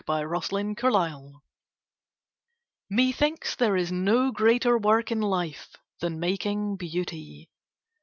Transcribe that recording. BEAUTY MAKING Methinks there is no greater work in life Than making beauty.